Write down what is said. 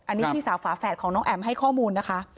อันนี้พี่สาวฝาแฝดของน้องแอ๋มให้ข้อมูลนะคะ